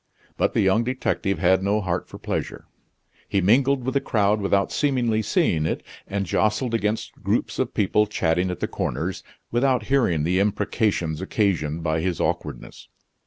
But the young detective had no heart for pleasure. He mingled with the crowd without seemingly seeing it, and jostled against groups of people chatting at the corners, without hearing the imprecations occasioned by his awkwardness.